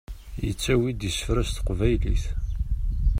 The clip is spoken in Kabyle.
Yettawi-d isefra s teqbaylit.